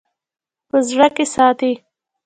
په زړه کښې ساتي--